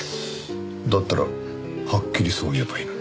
だったらはっきりそう言えばいいのに。